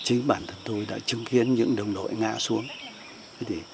chính bản thân tôi đã chứng kiến những đồng đội ngã xuống